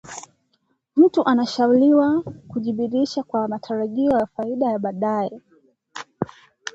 Mtu anashauriwa kujibidiisha kwa matarajio ya faida ya baadaye